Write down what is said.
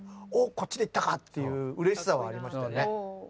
こっちで行ったかっていううれしさはありましたね。